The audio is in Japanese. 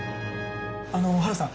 あのハルさん。